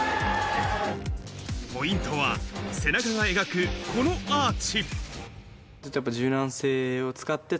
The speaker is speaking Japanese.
ポイントは背中が描くこのアーチ。